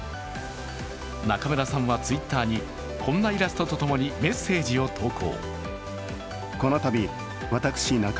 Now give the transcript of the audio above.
中村さんはＴｗｉｔｔｅｒに、こんなイラストとともにメッセージを投稿。